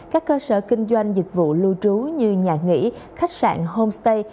các cơ sở kinh doanh dịch vụ lưu trú như nhà nghỉ khách sạn homestay